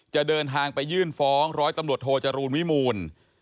เดินทางไปยื่นฟ้องร้อยตำรวจโทจรูลวิมูล